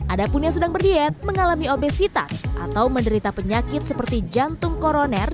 ada pun yang sedang berdiet mengalami obesitas atau menderita penyakit seperti jantung koroner